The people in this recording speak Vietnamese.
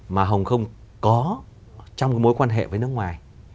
mà hồng kông có trong cái mối quan hệ với nước ngoài